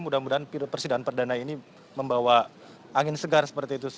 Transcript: mudah mudahan persidangan perdana ini membawa angin segar seperti itu